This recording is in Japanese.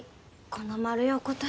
この丸いおこた